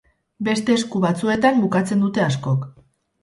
Beste esku batzuetan bukatzen dute askok.